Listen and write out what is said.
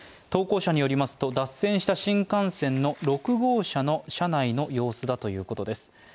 投稿者によりますと脱線した新幹線の６号車の車内の様子だということです。